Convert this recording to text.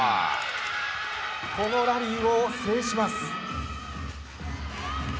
このラリーを制します。